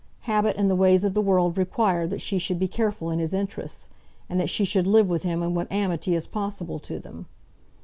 Habit and the ways of the world require that she should be careful in his interests, and that she should live with him in what amity is possible to them.